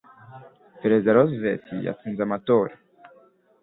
Perezida Roosevelt yatsinze amatora